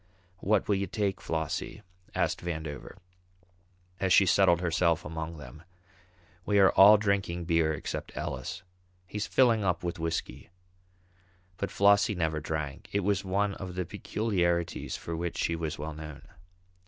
"What will you take, Flossie?" asked Vandover, as she settled herself among them. "We are all drinking beer except Ellis. He's filling up with whisky." But Flossie never drank. It was one of the peculiarities for which she was well known.